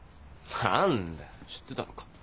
何だ知ってたのか。